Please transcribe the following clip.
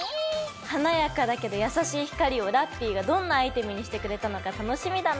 華やかだけど優しい光をラッピィがどんなアイテムにしてくれたのか楽しみだな。